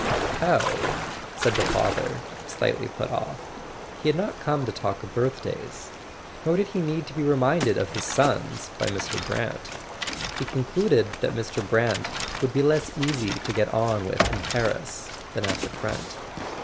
"Oh " said the father, slightly put off. He had not come to talk of birthdays; nor did he need to be reminded of his son's by Mr. Brant. He concluded that Mr. Brant would be less easy to get on with in Paris than at the front.